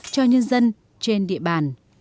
cho nhân dân trên địa bàn